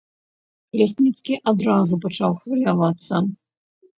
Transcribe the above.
Лясніцкі адразу пачаў хвалявацца.